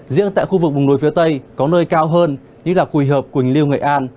riêng tại khu vực vùng núi phía tây có nơi cao hơn như là quỳ hợp quỳnh liêu nghệ an